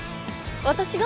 私が？